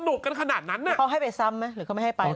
ของนั้นน่าน่ะแล้วเขาให้ไปซ้ำไหมหรือเขาไม่ให้ไปแล้ว